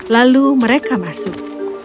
lalu mereka masuk